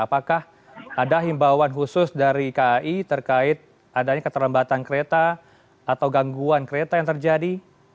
apakah ada himbauan khusus dari kai terkait adanya keterlambatan kereta atau gangguan kereta yang terjadi